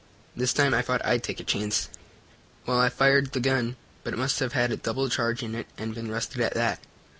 This time I thought I'd take a chance. "Well, I fired the gun. But it must have had a double charge in it and been rusted at that.